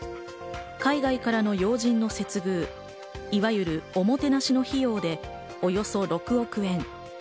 海外からの要人の接遇、いわゆるおもてなしの費用でおよそ６億円。